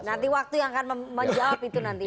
nanti waktu yang akan menjawab itu nanti